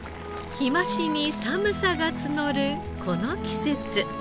日増しに寒さが募るこの季節。